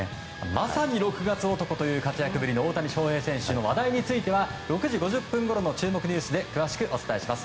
まさに６月男という大谷選手の話題については６時５０分ごろの注目ニュースで詳しくお伝えします。